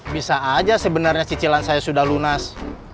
bisa aja sebenarnya cicilan saya sudah lunas